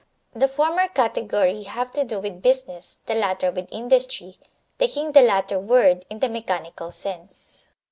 The former category have to do with "business," the latter with industry, taking the latter word in the mechanical sense.